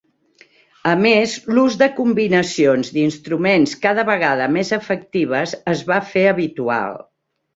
A més, l'ús de combinacions d'instruments cada vegada més efectives es va fer habitual.